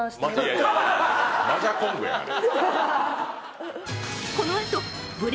いやいやマジャ・コングやあれ